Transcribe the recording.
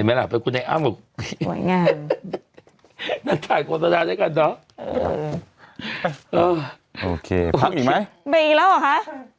มันถ่ายโฆษณาด้วยกันเนอะเออโอเคพักอีกไหมไปอีกแล้วเหรอค่ะ